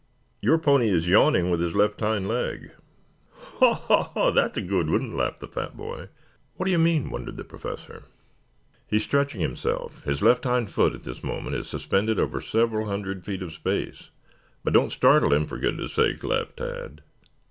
"Your pony is yawning with his left hind leg." "Haw, haw, haw! That's a good one," laughed the fat boy. "What do you mean?" wondered the Professor. "He is stretching himself. His left hind foot at this moment is suspended over several hundred feet of space. But don't startle him for goodness' sake," laughed Tad.